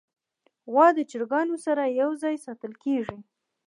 غوا د چرګانو سره یو ځای ساتل کېږي.